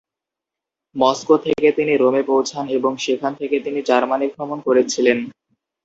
Moscow থেকে তিনি রোমে পৌঁছান এবং সেখান থেকে তিনি জার্মানি ভ্রমণ করেছিলেন।